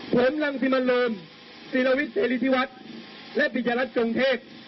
ผมรังสิมรมศิลวิทย์เศรษฐิวัตรและพิจารณาจงเทพฯ